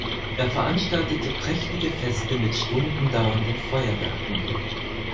Er veranstaltete prächtige Feste mit Stunden dauernden Feuerwerken.